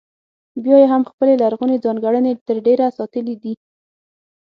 بیا یې هم خپلې لرغونې ځانګړنې تر ډېره ساتلې دي.